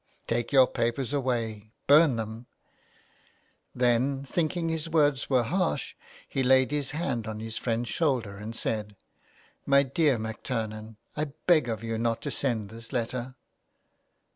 '' Take your papers away, burn them !" Then, thinking his words were harsh, he laid his hand on his friend's shoulder and said :—" My dear MacTurnan, I beg of you not to send this letter."